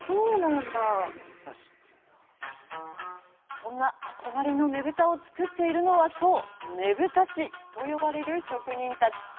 そんな憧れのねぶたを作っているのはねぶた師と呼ばれる職人たち。